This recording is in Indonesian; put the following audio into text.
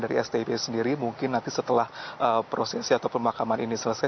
dari stip sendiri mungkin nanti setelah prosesi atau pemakaman ini selesai